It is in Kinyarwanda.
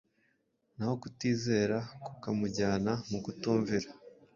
naho kutizera kukamujyana mu kutumvira